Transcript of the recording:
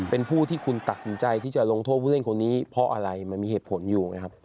เป็นผู้ที่คุณตัดสินใจที่จะลงโทษผู้เล่นคนนี้เพราะอะไรมันมีเหตุผลอยู่ไงครับ